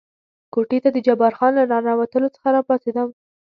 کوټې ته د جبار خان له را ننوتلو سره را پاڅېدم.